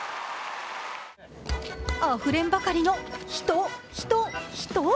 あふれんばかりの人、人、人。